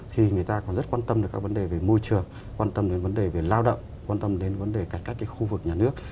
thì người ta còn rất quan tâm đến các vấn đề về môi trường quan tâm đến vấn đề về lao động quan tâm đến vấn đề cải cách cái khu vực nhà nước